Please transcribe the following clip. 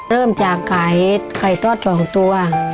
เริ่มจากไก่ไก่ตอด๒ตัว